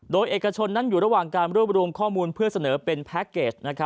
โดยเอกชนนั้นอยู่ระหว่างการรวบรวมข้อมูลเพื่อเสนอเป็นแพ็คเกจ